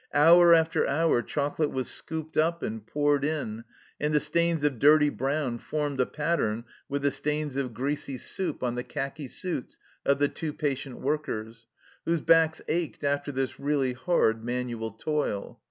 Hour after hour chocolate was scooped up and poured in, and the stains of dirty brown formed a pattern with the stains of greasy 134 THE CELLAR HOUSE OF PERVYSE soup on the khaki suits of the two patient workers, whose backs ached after this really hard manual toil.